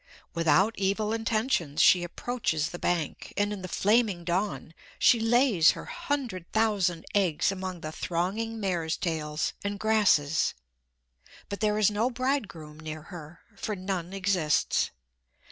Without evil intentions she approaches the bank, and in the flaming dawn she lays her hundred thousand eggs among the thronging mare's tails and grasses. But there is no bridegroom near her, for none exists.